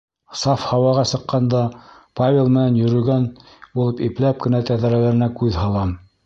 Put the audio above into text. Саф һауаға сыҡҡанда, Павел менән йөрөгән булып ипләп кенә тәҙрәләренә күҙ һалам.